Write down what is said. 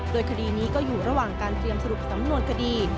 โดยคดีนี้ก็อยู่ระหว่างการเตรียมสรุปสำนวนคดี